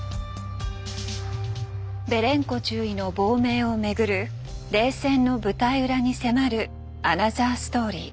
ベレンコ中尉の亡命を巡る冷戦の舞台裏に迫るアナザーストーリー。